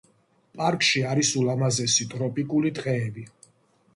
პარკში არის ულამაზესი ტროპიკული ტყეები.